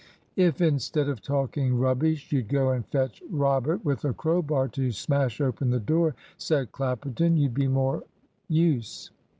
"If, instead of talking rubbish, you'd go and fetch Robert with a crowbar to smash open the door," said Clapperton, "you'd be more use."